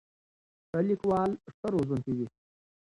ښه لیکوال ښه روزونکی وي.